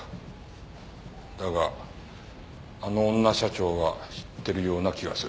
だがあの女社長は知ってるような気がする。